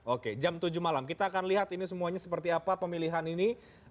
oke jam tujuh malam kita akan lihat ini semuanya seperti apa pemilihan ini